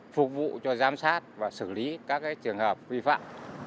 phục vụ cho giám sát và xử lý các trường hợp vi phạm